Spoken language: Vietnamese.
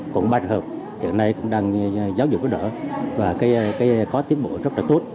ba trường hợp hiện nay cũng đang giáo dục đỡ và có tiến bộ rất là tốt